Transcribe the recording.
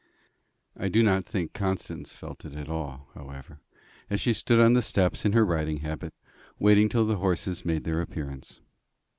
I do not think Constance felt it at all, however, as she stood on the steps in her riding habit, waiting till the horses made their appearance.